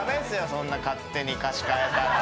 そんな勝手に歌詞かえたら。